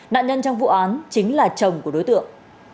nạn nhân trong vụ án chính là chồng của đối tượng